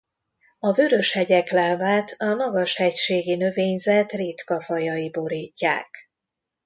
A Vörös-hegyek lábát a magashegységi növényzet ritka fajai borítják.